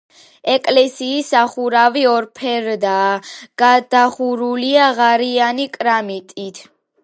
ეკლესიის სახურავი ორფერდაა, გადახურულია ღარიანი კრამიტით.